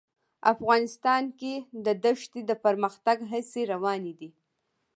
افغانستان کې د دښتې د پرمختګ هڅې روانې دي.